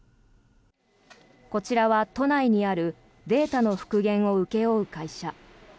こちらは、都内にあるデータの復元を請け負う会社。